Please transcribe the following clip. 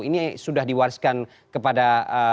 ini sudah diwariskan kepada